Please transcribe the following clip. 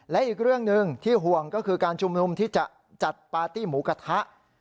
และอีกเรื่องหนึ่งที่ห่วงก็คือการชุมนุมที่จะจัดปาร์ตี้หมูกระทะ